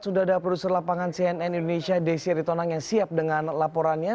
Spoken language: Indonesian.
sudah ada produser lapangan cnn indonesia desi aritonang yang siap dengan laporannya